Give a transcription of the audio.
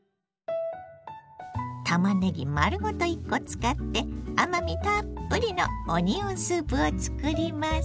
たまねぎ丸ごと１コ使って甘みたっぷりのオニオンスープを作ります。